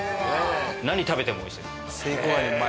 何食べてもおいしいです。